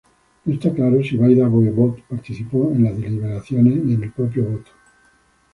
No está claro si Vaida-Voevod participó en las deliberaciones y en el propio voto.